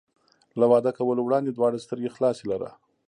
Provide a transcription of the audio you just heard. له واده کولو وړاندې دواړه سترګې خلاصې لره.